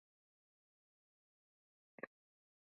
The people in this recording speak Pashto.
د مالکیت حقونو په برخه کې یې بدلونونه رامنځته کړل.